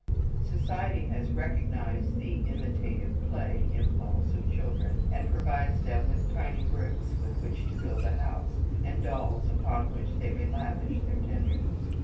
Society has recognized the "imitative play" impulse of children and provides them with tiny bricks with which to "build a house," and dolls upon which they may lavish their tenderness.